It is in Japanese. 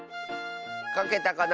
かけたかな？